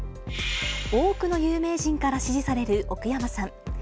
多くの有名人から支持される奥山さん。